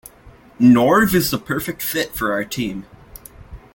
Norv is the perfect fit for our team.